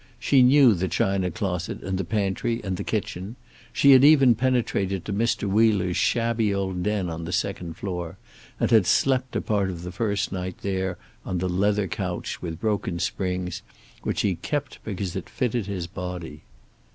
She knew the china closet and the pantry, and the kitchen. She had even penetrated to Mr. Wheeler's shabby old den on the second floor, and had slept a part of the first night there on the leather couch with broken springs which he kept because it fitted his body.